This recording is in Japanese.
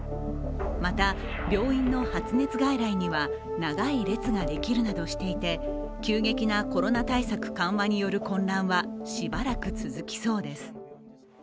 また病院の発熱外来には長い列ができるなどしていて、急激なコロナ対策緩和による混乱は、しばらく続きそうです。